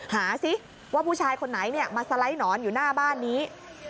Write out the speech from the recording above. ซิว่าผู้ชายคนไหนมาสไลด์หนอนอยู่หน้าบ้านนี้